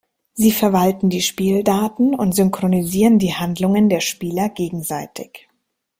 Sie verwalten die Spieldaten und synchronisieren die Handlungen der Spieler gegenseitig.